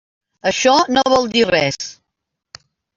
Això no vol dir res.